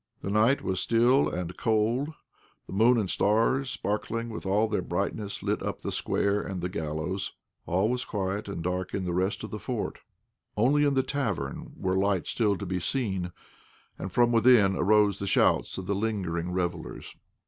The night was still and cold, the moon and stars, sparkling with all their brightness, lit up the square and the gallows. All was quiet and dark in the rest of the fort. Only in the tavern were lights still to be seen, and from within arose the shouts of the lingering revellers.